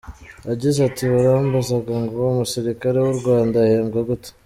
Yagize ati “Barambazaga ngo umusirikare w’u Rwanda ahembwa gute?